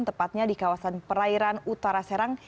tepatnya di kawasan perairan utara serang